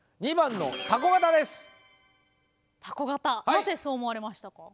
なぜそう思われましたか？